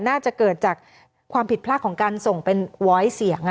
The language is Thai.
น่าจะเกิดจากความผิดพลาดของการส่งเป็นร้อยเสียง